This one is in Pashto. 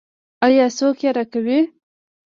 آیا څوک یې راکوي؟